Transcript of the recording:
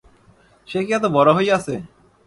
সে কি এত বড় হইয়াছে?